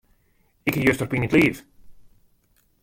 Ik hie juster pine yn 't liif.